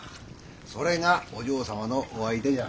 それがお嬢様のお相手じゃ。